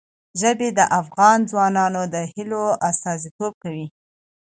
ژبې د افغان ځوانانو د هیلو استازیتوب کوي.